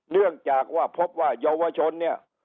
เนื่องจากว่าพบว่าเยาวชนเนี่ย